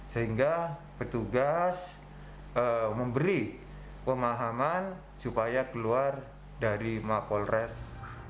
sehingga petugas memberi pemahaman supaya keluar dari mapol res